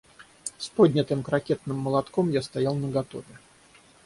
С поднятым крокетным молотком я стоял наготове.